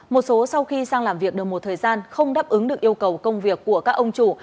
một số sau khi sang làm việc được một thời gian không đáp ứng được yêu cầu công việc của các ông chủ